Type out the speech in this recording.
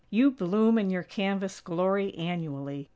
You bloom in your canvas glory, annually.